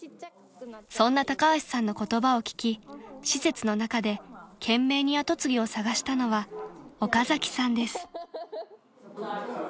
［そんな高橋さんの言葉を聞き施設の中で懸命にあと継ぎを探したのは岡崎さんです］